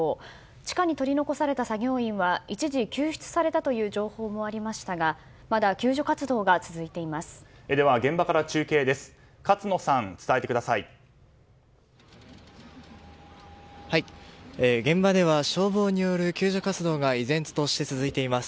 地下に取り残された作業員は一時救出されたという情報もありましたがまだ救助活動が続いています。